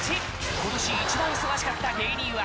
今年１番忙しかった芸人は？